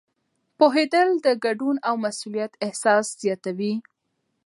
پوهېدل د ګډون او مسؤلیت احساس زیاتوي.